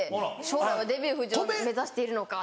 「将来はデヴィ夫人を目指しているのか？」